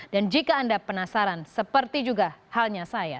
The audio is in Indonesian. dan jika anda penasaran seperti juga halnya saya